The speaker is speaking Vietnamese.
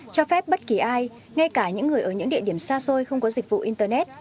cho phép bất kỳ ai ngay cả những người ở những địa điểm xa xôi không có dịch vụ internet